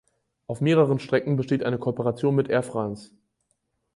Auf mehreren Strecken besteht eine Kooperation mit Air France.